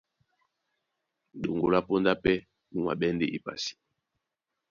Ɗoŋgo lá póndá pɛ́ mú maɓɛ́ ndé epasi.